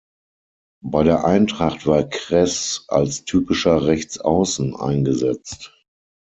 Bei der Eintracht war Kreß als typischer "Rechtsaußen" eingesetzt.